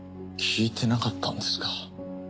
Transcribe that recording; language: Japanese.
聞いてなかったんですか？